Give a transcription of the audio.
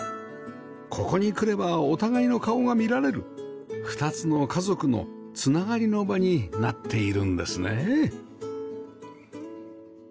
ここに来ればお互いの顔が見られる２つの家族のつながりの場になっているんですね